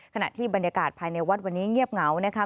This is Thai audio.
ขณะที่บรรยากาศภายในวัดวันนี้เงียบเหงานะคะ